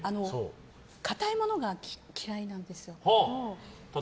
硬いものが嫌いなんです。